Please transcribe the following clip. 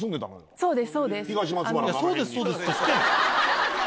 そうです。